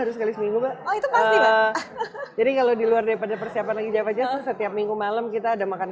harus kali seminggu jadi kalau di luar depan persiapan setiap minggu malam kita ada makan